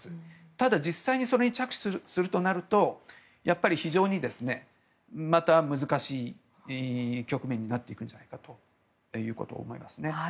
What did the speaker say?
ただ、実際にそれに着手するとなると非常にまた難しい局面になってくると思いますね。